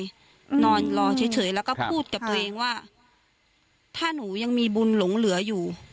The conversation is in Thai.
นอนรอเฉยแล้วก็พูดกับตัวเองว่าถ้าหนูยังมีบุญหลงเหลืออยู่